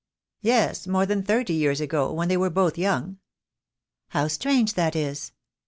"Yes, more than thirty years ago, when they were both young." "How strange that is."